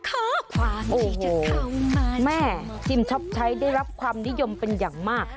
โอ้โหแม่จิมชอบใช้ได้รับความนิยมเป็นอย่างมาก